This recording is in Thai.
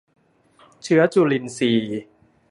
เชื้อจุลินทรีย์